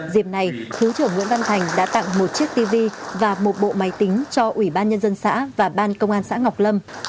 dịp này thứ trưởng nguyễn văn thành đã tặng một chiếc tv và một bộ máy tính cho ủy ban nhân dân xã và ban công an xã ngọc lâm